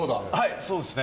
そうですね。